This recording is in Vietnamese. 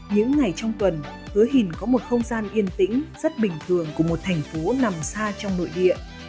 những ngày trong tuần hứa hìn có một không gian yên tĩnh rất bình thường của một thành phố nằm xa trong nội địa